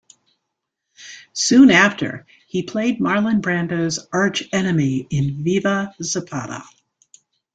Soon after, he played Marlon Brando's archenemy in Viva Zapata!